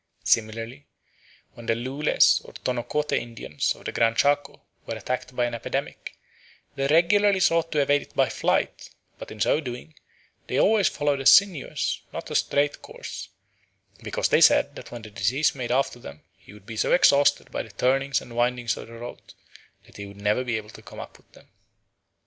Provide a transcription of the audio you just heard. Similarly, when the Lules or Tonocotes Indians of the Gran Chaco were attacked by an epidemic, they regularly sought to evade it by flight, but in so doing they always followed a sinuous, not a straight, course; because they said that when the disease made after them he would be so exhausted by the turnings and windings of the route that he would never be able to come up with them.